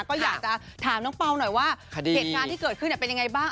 ก็อยากจะถามน้องเปล่าหน่อยว่าเหตุการณ์ที่เกิดขึ้นเป็นยังไงบ้าง